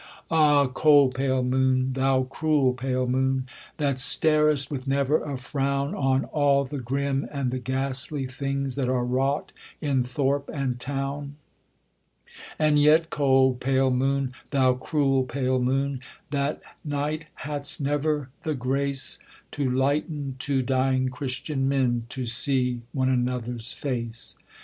Ah, cold pale moon, thou cruel pale moon, That starest with never a frown On all the grim and the ghastly things That are wrought in thorpe and town: And yet, cold pale moon, thou cruel pale moon, That night hadst never the grace To lighten two dying Christian men To see one another's face.